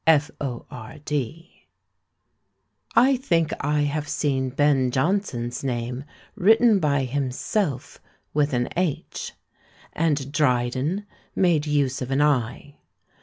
I think I have seen Ben Jonson's name written by himself with an h; and Dryden made use of an i.